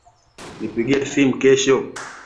Nipigie simu kesho.